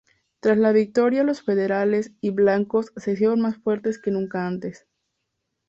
Tras la victoria los federales y blancos se hicieron más fuertes que nunca antes.